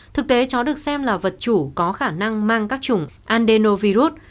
thực tế chó được xem là vật chủ có khả năng mang các chủng antinovirus